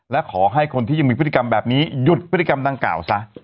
และขอให้คนที่ยังมีพฤติกรรมแบบนี้หยุดพฤติกรรมดังกล่าวซะ